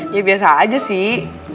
ya biasa aja sih